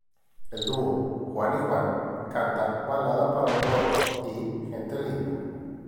El duo Juan y Juan canta "Balada para un gordo" y "Gente linda".